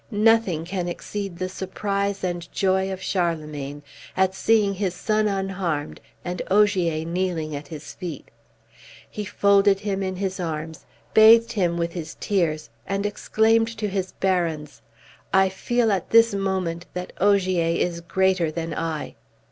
Nothing can exceed the surprise and joy of Charlemagne at seeing his son unharmed and Ogier kneeling at his feet. He folded him in his arms, bathed him with tears, and exclaimed to his barons, "I feel at this moment that Ogier is greater than I."